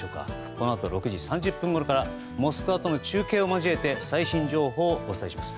このあと６時３０分ごろからモスクワとの中継を交えて最新情報をお伝えします。